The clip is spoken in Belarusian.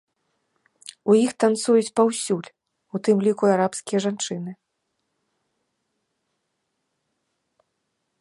У іх танцуюць паўсюль, у тым ліку, і арабскія жанчыны.